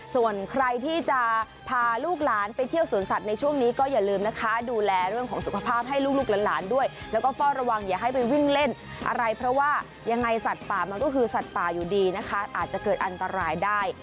ส่วนใครที่จะพาลูกหลานไปเที่ยวสวนสัตว์ในช่วงนี้ก็อย่าลืมนะคะดูแลเรื่องของสุขภาพให้ลูกหลานด้วยแล้วก็เฝ้าระวังอย่าให้ไปวิ่งเล่นอะไรเพราะว่ายังไงสัตว์ป่ามันก็คือสัตว์ป่าอยู่ดีนะคะอาจจะเกิดอันตรายได้